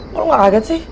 kok lu gak kaget sih